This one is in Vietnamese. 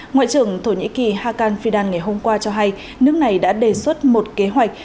ngoại trưởng thổ nhĩ kỳ hakan fidan ngày hôm qua cho hay nước này đã đề xuất một kế hoạch